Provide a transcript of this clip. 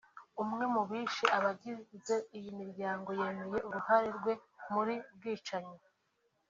umwe mu bishe abagize iyi miryango yemeye uruhare rwe muri bwicanyi